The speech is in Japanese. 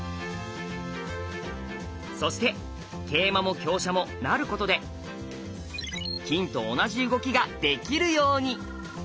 そして桂馬も香車も成ることで金と同じ動きができるように。